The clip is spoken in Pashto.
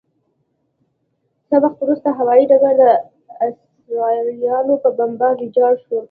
څه وخت وروسته هوايي ډګر د اسرائیلو په بمبارۍ ویجاړ شو.